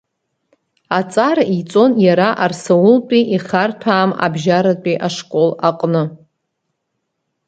Аҵара иҵон иара Арсаултәи ихарҭәаам абжьаратәи ашкол аҟны.